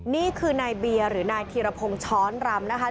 นี่คือนายเบียร์หรือนายธีรพงศ์ช้อนรำนะคะ